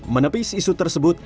menepis isu tersebut